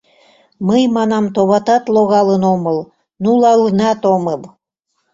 — Мый, манам, товатат логалын омыл, нулалынат омыл!..